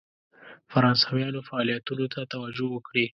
فرانسویانو فعالیتونو ته توجه وکړي.